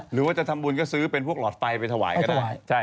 หรือว่าจะทำบุญก็ซื้อเป็นพวกหลอดไฟไปถวายก็ได้